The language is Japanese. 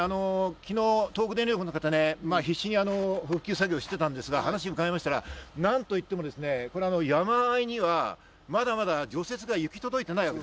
昨日、東北電力の方、必死に復旧作業をしていたんですが、話を伺いましたら、なんといっても山あいにはまだまだ除雪が行き届いていない。